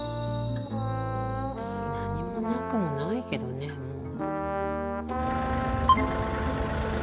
何もなくもないけどねもう。